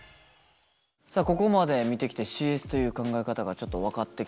さあここまで見てきてＣＳという考え方がちょっと分かってきたというか。